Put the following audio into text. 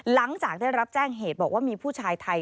หลังจากได้รับแจ้งเหตุบอกว่ามีผู้ชายไทย